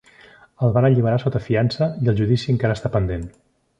El van alliberar sota fiança i el judici encara està pendent.